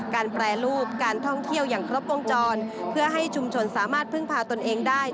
แปรรูปการท่องเที่ยวอย่างครบวงจรเพื่อให้ชุมชนสามารถพึ่งพาตนเองได้